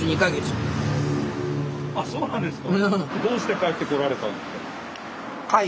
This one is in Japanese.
あっそうなんですか。